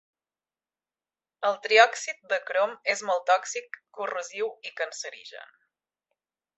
El triòxid de crom és molt tòxic, corrosiu i cancerigen.